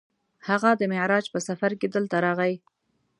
هغه د معراج په سفر کې دلته راغی.